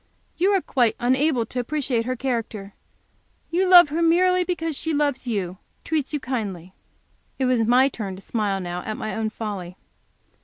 You are quite unable to appreciate her character; you love her merely because she loves you, treats you kindly?'" It was my turn to smile now, at my own folly.